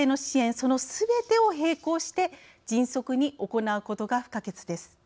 そのすべてを並行して迅速に行うことが不可欠です。